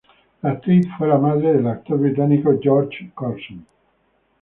La actriz fue la madre del actor británico George Curzon.